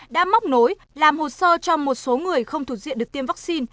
đã móc nối làm hồ sơ cho một số người không thuộc diện được tiêm vaccine